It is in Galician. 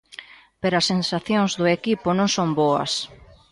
Pero as sensacións do equipo non son boas.